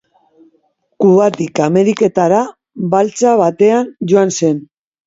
Kubatik Ameriketara baltsa batean joan zen.